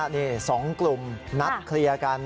นี่๒กลุ่มนัดเคลียร์กัน